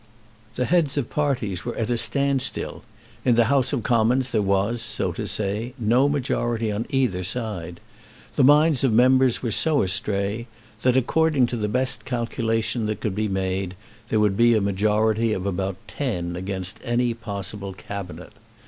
The heads of parties were at a standstill. In the House of Commons there was, so to say, no majority on either side. The minds of members were so astray that, according to the best calculation that could be made, there would be a majority of about ten against any possible Cabinet.